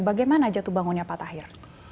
bagaimana jatuh bangunnya pak tahir